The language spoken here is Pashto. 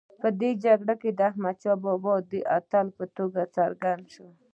په دې جګړه کې احمدشاه بابا د اتل په توګه راڅرګند شو.